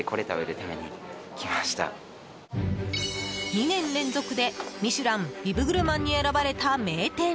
２年連続で「ミシュランビブグルマン」に選ばれた名店。